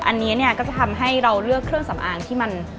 อันนี้เนี่ยก็จะทำให้เราเลือกเครื่องสำอางที่มัน